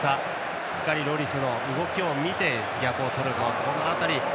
しっかりロリスの動きを見て逆をとるという辺り。